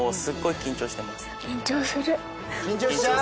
緊張しちゃう？